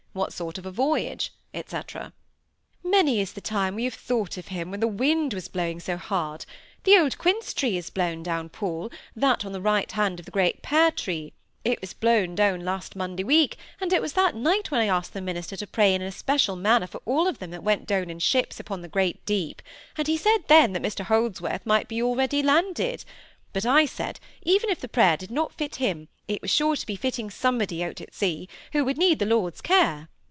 What sort of a voyage? &c. "Many is the time we have thought of him when the wind was blowing so hard; the old quince tree is blown down, Paul, that on the right hand of the great pear tree; it was blown down last Monday week, and it was that night that I asked the minister to pray in an especial manner for all them that went down in ships upon the great deep, and he said then, that Mr Holdsworth might be already landed; but I said, even if the prayer did not fit him, it was sure to be fitting somebody out at sea, who would need the Lord's care.